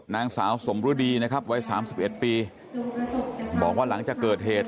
นางสาวสมฤดีนะครับวัย๓๑ปีบอกว่าหลังจากเกิดเหตุ